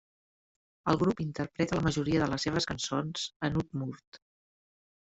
El grup interpreta la majoria de les seves cançons en udmurt.